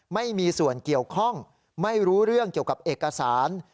ไม่มีส่วนเกี่ยวข้องไม่รู้เรื่องเกี่ยวกับเอกสาร